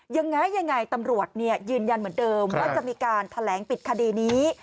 ยังไงยังไงตำรวจยืนยันเหมือนเดิมว่าจะมีการแถลงปิดคดีนี้